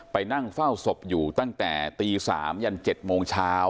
ไปนั่งเฝ้าศพอยู่ตั้งแต่ตี๓ยัน๗โมงเช้า